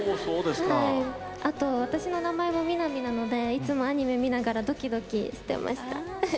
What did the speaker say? あと、私の名前も美波なのでいつもアニメ見ながらドキドキしてました。